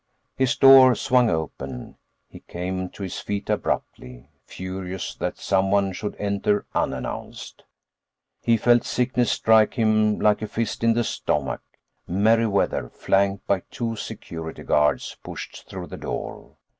His door swung open; he came to his feet abruptly, furious that someone should enter unannounced. He felt sickness strike him like a fist in the stomach: Meriwether, flanked by two security guards, pushed through the door.